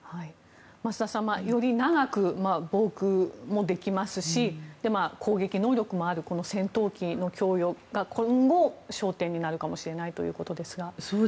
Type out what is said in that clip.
増田さん、より長く防空もできますし攻撃能力もあるこの戦闘機の供与が今後、焦点になるかもしれないということですが。